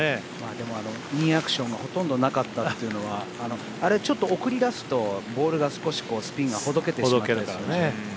でも、ニーアクションもほとんどなかったっていうのはあれ、ちょっと送り出すとボールが少しスピンがほどけてしまうからね。